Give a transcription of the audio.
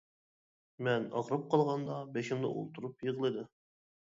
مەن ئاغرىپ قالغاندا بېشىمدا ئولتۇرۇپ يىغلىدى.